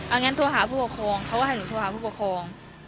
อันนี้เขาว่าให้หนูโทรภาพผู้ปกครอง